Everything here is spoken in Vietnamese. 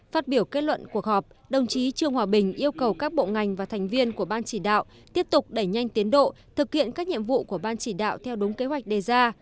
phát biểu kết luận cuộc họp đồng chí trương hòa bình yêu cầu các bộ ngành và thành viên của ban chỉ đạo tiếp tục đẩy nhanh tiến độ thực hiện các nhiệm vụ của ban chỉ đạo theo đúng kế hoạch đề ra